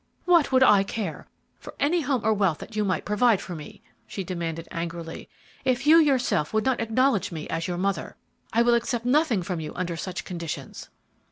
"What would I care for any home or wealth that you might provide for me," she demanded, angrily, "if you yourself would not acknowledge me as your mother! I will accept nothing from you under such conditions."